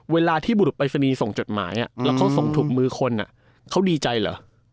เวลาที่บุรุษปรายศนีย์ส่งจดหมายแล้วเขาส่งถูกมือคนเขาดีใจเหรอ